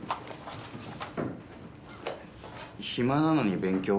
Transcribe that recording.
暇なのに勉強？